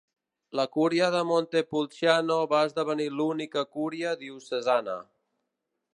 La Cúria de Montepulciano va esdevenir l'única cúria diocesana.